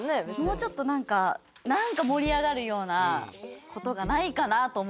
もうちょっとなんかなんか盛り上がるような事がないかなと思いまして。